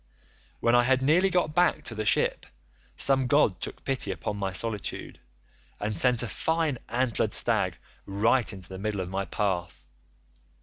"When I had nearly got back to the ship some god took pity upon my solitude, and sent a fine antlered stag right into the middle of my path.